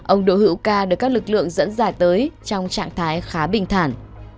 ông đỗ hữu ca được các lực lượng dẫn dài tới trong trạng thái khá bình thản